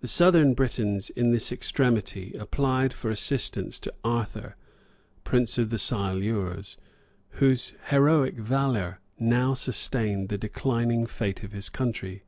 The southern Britons, in this extremity, applied for assistance to Arthur, prince of the Silures, whose heroic valor now sustained the declining fate of his country.